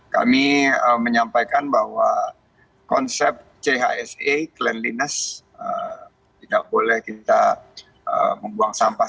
kami menyampaikan bahwa konsep chse cleanliness tidak boleh kita membuang sampah